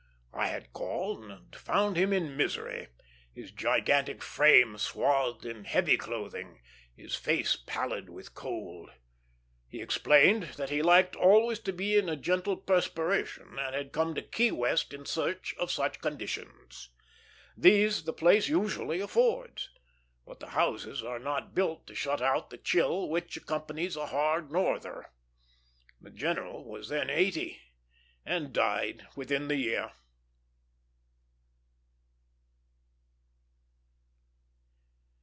I had called, and found him in misery; his gigantic frame swathed in heavy clothing, his face pallid with cold. He explained that he liked always to be in a gentle perspiration, and had come to Key West in search of such conditions. These the place usually affords, but the houses are not built to shut out the chill Which accompanies a hard norther. The general was then eighty, and died within the year.